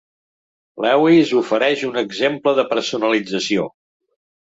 Lewis ofereix un exemple de personalització.